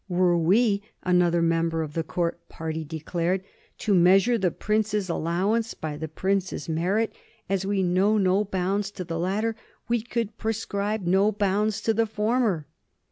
" Were we," another member of the Court party declared, "to measure the prince's allowance by the prince's merit, as we know no bounds to the latter, we could prescribe no bounds to the former."